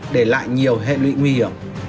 để lại nhiều hệ lụy nguy hiểm